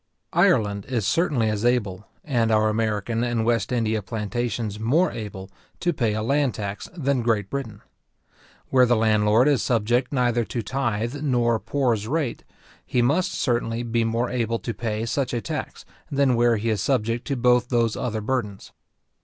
Ireland is certainly as able, and our American and West India plantations more able, to pay a land tax, than Great Britain. Where the landlord is subject neither to tythe nor poor's rate, he must certainly be more able to pay such a tax, than where he is subject to both those other burdens.